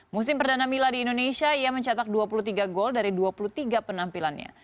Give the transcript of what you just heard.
musim perdana mila di indonesia ia mencetak dua puluh tiga gol dari dua puluh tiga penampilannya